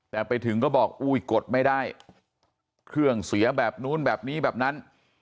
แต่ไปถึงก็บอกอุ้ยกดไม่ได้เครื่องเสียแบบนู้นแบบนี้แบบนั้น